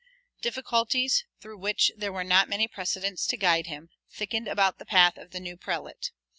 Difficulties, through which there were not many precedents to guide him, thickened about the path of the new prelate.